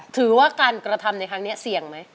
ถือว่าการกระทำในครั้งนี้เสี่ยงไหม